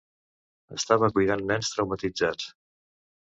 Estava cuidant nens traumatitzats.